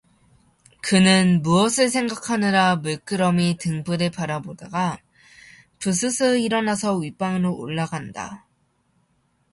그는 무엇을 생각하느라 물끄러미 등불을 바라보다가 부스스 일어나서 윗방으로 올라간다.